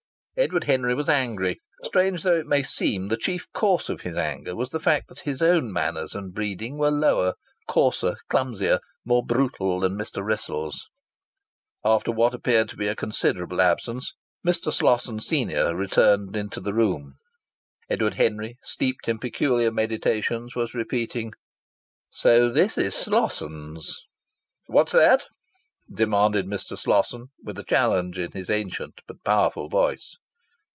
Edward Henry was angry. Strange though it may seem, the chief cause of his anger was the fact that his own manners and breeding were lower, coarser, clumsier, more brutal than Mr. Wrissell's. After what appeared to be a considerable absence Mr. Slosson, senior, returned into the room. Edward Henry, steeped in peculiar meditations, was repeating: "So this is Slosson's!" "What's that?" demanded Mr. Slosson with a challenge in his ancient but powerful voice.